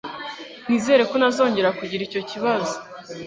Nizere ko ntazongera kugira icyo kibazo